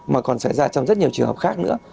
mà còn xảy ra trong rất nhiều trường hợp khác nữa